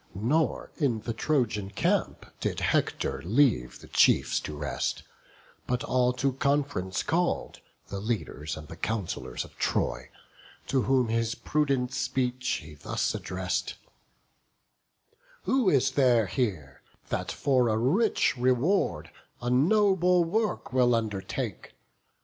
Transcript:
Nor, in the Trojan camp, did Hector leave The chiefs to rest; but all to conf'rence call'd, The leaders and the councillors of Troy; To whom his prudent speech he thus address'd: "Who is there here, that for a rich reward A noble work will undertake?